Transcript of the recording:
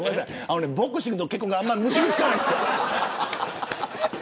ボクシングと結婚があんまり結びつかないです。